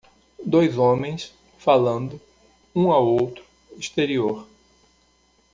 Dois homens, falando, um ao outro, exterior